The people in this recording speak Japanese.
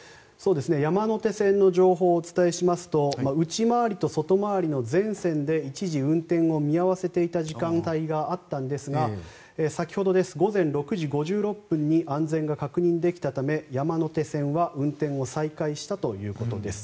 山手線の情報をお伝えしますと内回りと外回りの全線で一時、運転を見合わせていた時間帯があったんですが先ほど午前６時５６分に安全が確認できたため、山手線は運転を再開したということです。